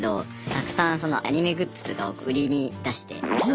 たくさんそのアニメグッズとかを売りに出して。